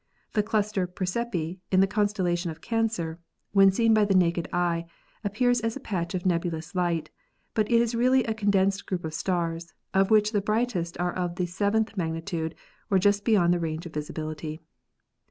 The cluster Prsesepe, in the constellation of Cancer, when seen by the naked eye, appears as a patch of nebulous light, but is really a condensed group of stars of which the brightest are of the seventh magnitude or just beyond the range of visibility.